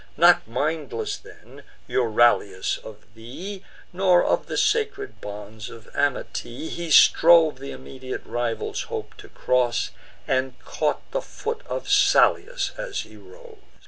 Not mindless then, Euryalus, of thee, Nor of the sacred bonds of amity, He strove th' immediate rival's hope to cross, And caught the foot of Salius as he rose.